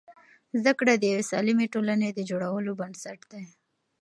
زده کړه د یوې سالمې ټولنې د جوړولو بنسټ دی.